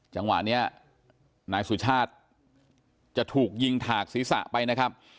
จังหวะนี้นายสุชาติจะถูกยิงถากศีรษะไปนะครับ